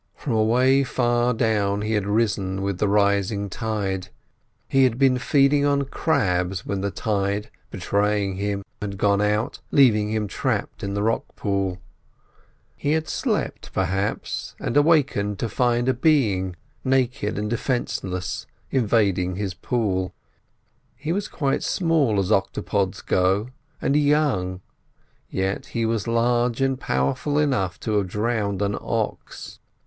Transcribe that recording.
From away far down he had risen with the rising tide. He had been feeding on crabs, when the tide, betraying him, had gone out, leaving him trapped in the rock pool. He had slept, perhaps, and awakened to find a being, naked and defenceless, invading his pool. He was quite small, as octopods go, and young, yet he was large and powerful enough to have drowned an ox.